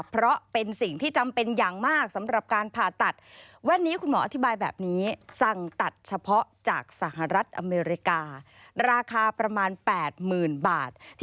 เพราะเป็นสิ่งที่จำเป็นอย่างมากสำหรับการผ่าตัด